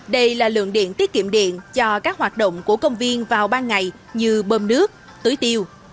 đây là lượng điện tiết kiệm điện cho các hoạt động của công viên vào ban ngày như bơm nước tưới tiêu